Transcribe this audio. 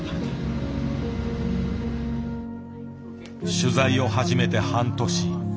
取材を始めて半年。